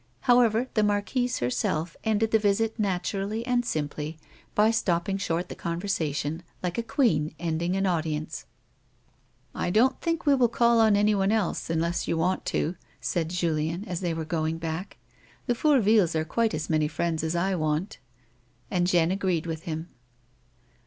However, the marquise, herself, ended the visit naturally and simply by stopping short the conversation, like a queen ending an audience. " I don't think we will call on anyone else, unless you want to," said Julien, as they were going back. " The Fourvilles are quite as many friends as I want." And Jeanne agreed with him.